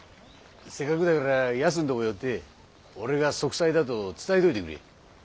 せっかくだからやすんとこ寄って俺が息災だと伝えといてくれ。